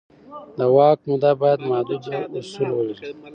د واک موده باید محدود اصول ولري